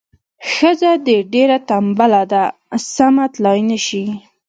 ښځه دې ډیره تنبله ده سمه تلای نه شي.